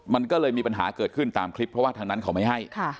มันก็เลยมีปัญหาเกิดขึ้นตามคลิปเพราะว่าทางนั้นเขาไม่ให้